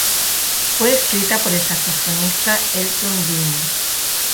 Fue escrita por el saxofonista Elton Dean.